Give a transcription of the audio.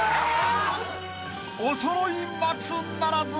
［おそろい松ならず］